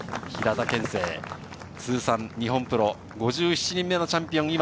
通算日本プロ５７人目のチャンピオン。